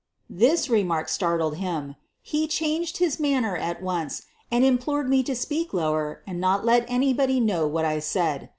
This remark startled him. He changed his man ner at once and implored me to speak lower and not let anybody know what I said.